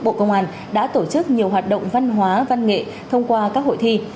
bộ công an đã tổ chức nhiều hoạt động văn hóa văn nghệ thông qua các hội thi